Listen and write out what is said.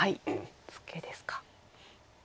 ツケですか。